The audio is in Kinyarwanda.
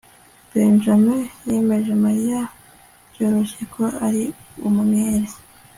benjamin yemeje mariya byoroshye ko ari umwere